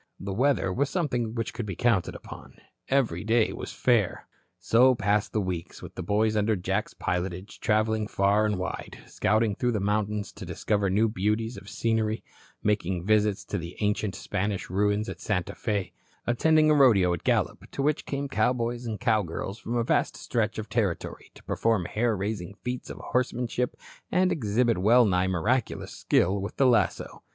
The weather was something which could be counted upon. Every day was fair. So passed the weeks, with the boys under Jack's pilotage travelling far and wide, scouting through the mountains to discover new beauties of scenery, making visits to the ancient Spanish ruins at Santa Fe, attending a rodeo at Gallup, to which came cowboys and cowgirls from a vast stretch of territory to perform hair raising feats of horsemanship and exhibit well nigh miraculous skill with the lasso.